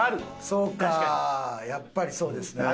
そうかやっぱりそうですね。